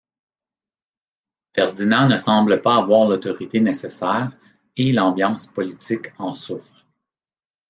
Ferdinand ne semble pas avoir l'autorité nécessaire et l'ambiance politique en souffre.